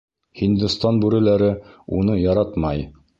Һиндостан бүреләре уны яратмай.